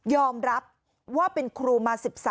อมรับว่าเป็นครูมา๑๓